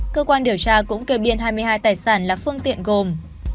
cơ quan điều tra cũng kê biên hai mươi hai tài sản là phương tiện gồm